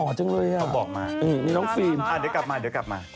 หล่อจังเลยนี่น้องฟิล์มอ่ะเดี๋ยวกลับมาสาวบอกมา